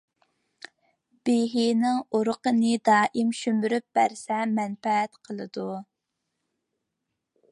بېھىنىڭ ئۇرۇقىنى دائىم شۈمۈپ بەرسە مەنپەئەت قىلىدۇ.